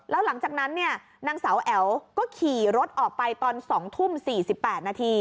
แล้วหลังจากนั้นเนี่ยนางสาวแอ๋วก็ขี่รถออกไปตอน๒ทุ่ม๔๘นาที